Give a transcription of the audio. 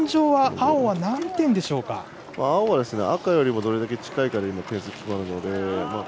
青は赤よりもどれだけ近いかで点数が決まるので。